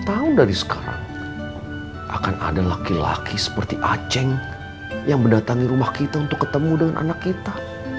tahun dari sekarang akan ada laki laki seperti aceh yang mendatangi rumah kita untuk ketemu dengan anak kita